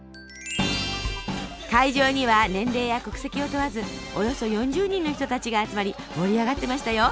会場には年齢や国籍を問わずおよそ４０人の人たちが集まり盛り上がってましたよ。